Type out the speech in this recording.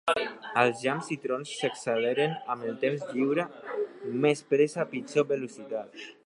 Els llamps i trons s'acceleren amb el temps lliure. Més pressa, pitjor velocitat.